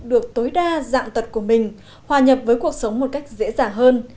được tối đa dạng tật của mình hòa nhập với cuộc sống một cách dễ dàng hơn